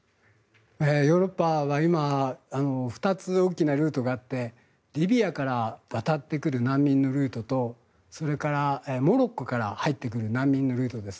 ヨーロッパは今２つ大きなルートがあってリビアから渡ってくる難民のルートとそれから、モロッコから入ってくる難民のルートです。